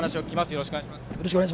よろしくお願いします。